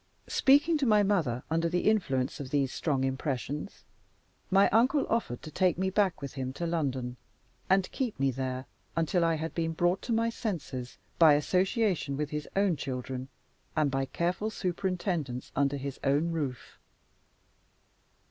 Speaking to my mother under the influence of these strong impressions, my uncle offered to take me back with him to London, and keep me there until I had been brought to my senses by association with his own children, and by careful superintendence under his own roof.